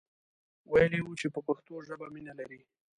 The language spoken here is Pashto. ویلی وو چې په پښتو ژبه مینه لري.